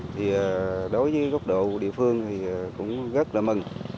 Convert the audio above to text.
thì đối với góc độ địa phương thì cũng rất là mừng